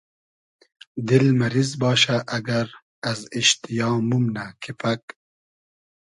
دیل مئریز باشۂ ائگئر از ایشتیا مومنۂ کی پئگ